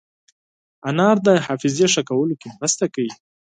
انار د حافظې ښه کولو کې مرسته کوي.